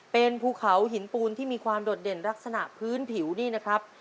เป็นภูเขาหินปูนที่มีความโดดเด่นลักษณะพื้นผิวนี่นะครับ